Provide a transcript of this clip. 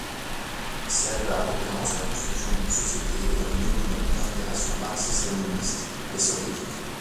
Siad Barré commence la construction d'une société et d'une économie d'inspiration marxiste-léniniste et soviétique.